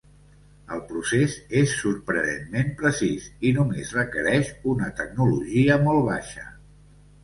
El procés és sorprenentment precís i només requereix una tecnologia molt baixa.